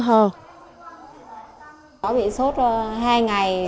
cháu bị sốt hai ngày